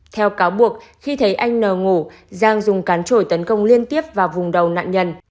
theo cáo buộc khi thấy anh n ngủ giang dùng cán trồi tấn công liên tiếp vào vùng đầu nạn nhân